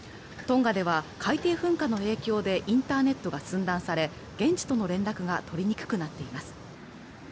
トンガでは海底噴火の影響でインターネットが寸断され現地との連絡が取りにくくなっています